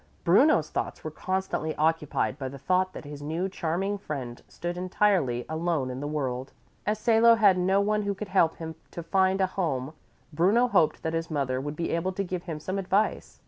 Bruno's thoughts were constantly occupied by the thought that his new, charming friend stood entirely alone in the world. As Salo had no one who could help him to find a home, Bruno hoped that his mother would be able to give him some advice.